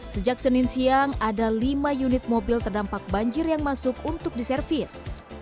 sejak senin siang ada lima unit mobil terdampak banjir yang masuk untuk diservis